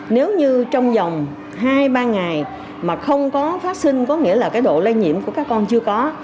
nếu như trong vòng hai ba ngày mà không có phát sinh có nghĩa là cái độ lây nhiễm của các con chưa có